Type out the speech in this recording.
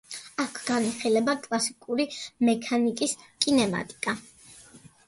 აქ განიხილება კლასიკური მექანიკის კინემატიკა.